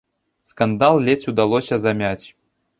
Скандал ледзь удалося замяць.